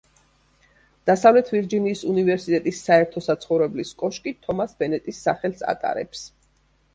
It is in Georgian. დასავლეთ ვირჯინიის უნივერსიტეტის საერთო საცხოვრებლის კოშკი თომას ბენეტის სახელს ატარებს.